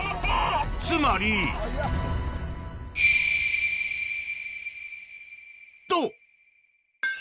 つまりと！